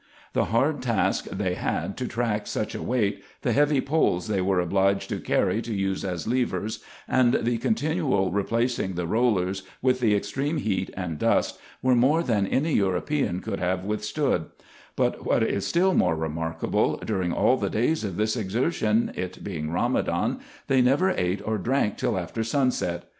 The hard IN EGYPT, NUBIA, &c. 51 task they had, to track such a weight, the heavy poles they were obliged to carry to use as levers, and the continual replacing the rollers, with the extreme heat and dust, were more than any European could have withstood : but what is still more remarkable, during all the days of this exertion, it being Kamadan, they never ate or drank till after sunset.